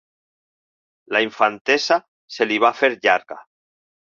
La infantesa se li va fer llarga.